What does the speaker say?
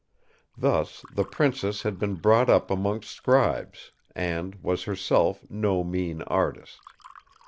Thus, the Princess had been brought up amongst scribes, and was herself no mean artist.